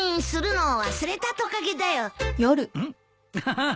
ハハハ。